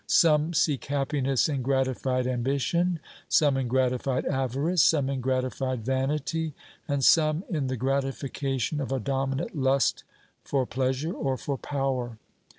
Some seek happiness in gratified ambition, some in gratified avarice, some in gratified vanity, and some in the gratification of a dominant lust for pleasure or for power.